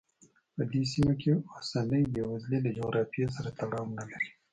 په دې سیمه کې اوسنۍ بېوزلي له جغرافیې سره تړاو نه لري.